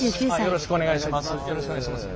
よろしくお願いします。